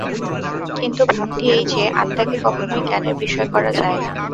কিন্তু ভাবটি এই যে, আত্মাকে কখনই জ্ঞানের বিষয় করা যায় না।